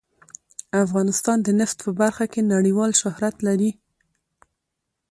افغانستان د نفت په برخه کې نړیوال شهرت لري.